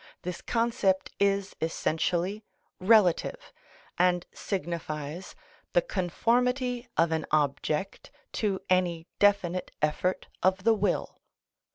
This concept is essentially relative, and signifies the conformity of an object to any definite effort of the will.